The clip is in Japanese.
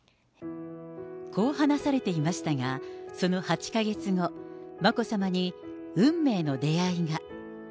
こう話されていましたが、その８か月後、眞子さまに運命の出会いが。